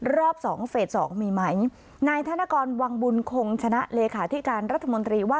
รอบ๒เฟส๒มีไหม